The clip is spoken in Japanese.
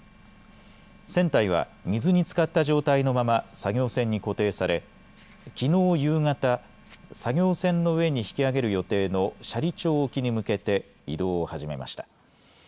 船体は水につかった状態のまま作業船に固定されきのう夕方、作業船の上に引き揚げる予定の斜里町沖に向けて移動を始めました。